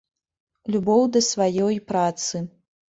Любоў да сваёй працы.